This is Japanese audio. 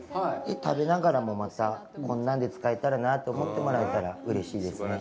食べながらもまたこんなんで使えたらなと思ってもらえたらうれしいですね。